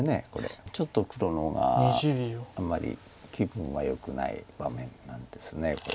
ちょっと黒の方があんまり気分はよくない場面なんですこれ。